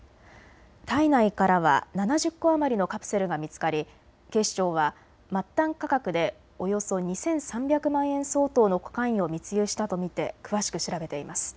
体内からは７０個余りのカプセルが見つかり警視庁は末端価格でおよそ２３００万円相当のコカインを密輸したと見て詳しく調べています。